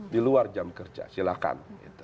di luar jam kerja silahkan